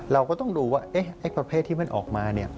เราก็ต้องดูว่าไอ้ประเภทที่มันออกมา